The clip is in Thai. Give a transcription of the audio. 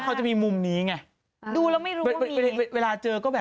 ถ้าเธอเรียกน้องก็ต้องใหญ่กว่าเธออีกอะ